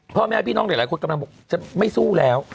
พ่อแม่พี่น้องหลายคนกำลังบอกจะไม่สู้แล้ว